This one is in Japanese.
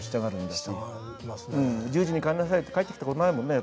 １０時に帰りなさいよって帰ってきた事ないもんね。